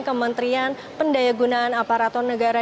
kementerian pendaya gunaan aparatur negara